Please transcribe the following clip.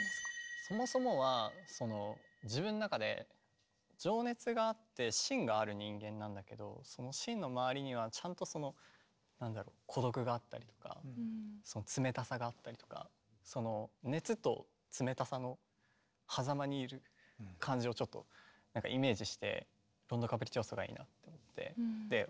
そもそもは自分の中で情熱があって芯がある人間なんだけどその芯の周りにはちゃんとそのなんだろう孤独があったりとか冷たさがあったりとか熱と冷たさのはざまにいる感じをちょっとイメージして「ロンド・カプリチオーソ」がいいなって思ってお願いしたんですけど。